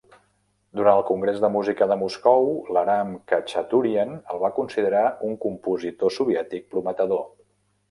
Durant el Congrés de Música de Moscou, l'Aram Khachaturian el va considerar un compositor soviètic prometedor.